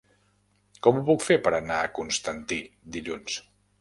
Com ho puc fer per anar a Constantí dilluns?